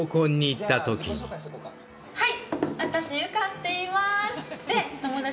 はい！